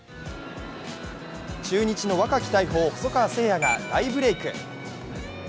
中日の若き大砲・細川成也が大ブレーク。